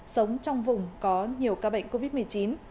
sống trong vùng có nhiều ca bệnh covid một mươi chín